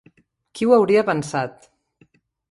Qui ho hauria pensat?